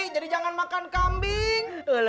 jadi jangan makan kambing